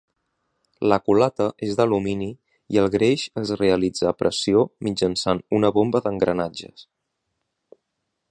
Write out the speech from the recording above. La culata és d'alumini i el greix es realitza a pressió mitjançant una bomba d'engranatges.